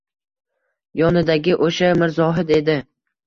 Yonidagi o‘sha Mirzohid edi